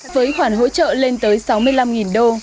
với khoản hỗ trợ lên tới sáu mươi năm đô